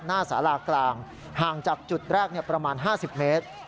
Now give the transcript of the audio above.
สารากลางห่างจากจุดแรกประมาณ๕๐เมตร